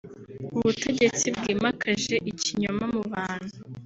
ubutegetsi bwimakaje ikinyoma mu bantu